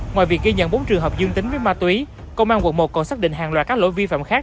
ngoài việc ghi nhận bốn trường hợp dương tính với ma túy công an quận một còn xác định hàng loạt các lỗi vi phạm khác